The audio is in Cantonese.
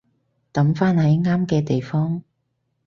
抌返喺啱嘅地方